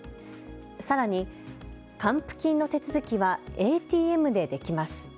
さらに還付金の手続きはＡＴＭでできます。